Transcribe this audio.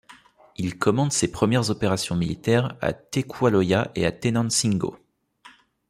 Il commande ses premières opérations militaires à Tecualoya et à Tenancingo.